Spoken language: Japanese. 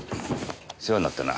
世話になったな。